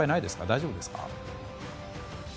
大丈夫ですか。